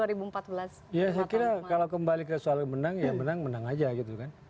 saya kira kalau kembali ke soal menang ya menang menang aja gitu kan